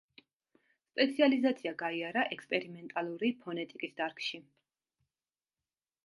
სპეციალიზაცია გაიარა ექსპერიმენტალური ფონეტიკის დარგში.